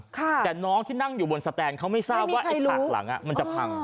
แต่น้องที่นั่งอยู่บนสแตนเขาไม่ทราบว่าไอ้ฉากหลังมันจะพัง